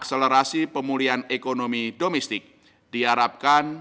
akselerasi pemulihan ekonomi domestik diharapkan